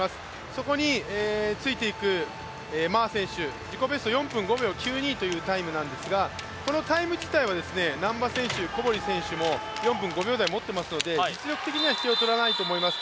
そこについていく、馬選手、自己ベスト４分５秒９２というタイムんなんですが、このタイム自体は４分５秒台、持ってますので実力的には引けを取らないと思います。